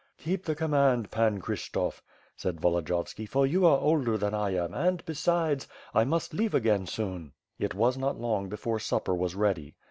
"Keep the command, Pan Kryshtof,* said Volodiyovski, "for you are older than I am and, besides, I must leave again soon." It was not long before supper was ready.